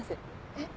えっ？